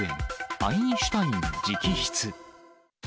アインシュタイン直筆。